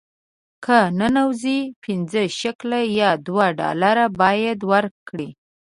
که ننوځې پنځه شکله یا دوه ډالره باید ورکړې.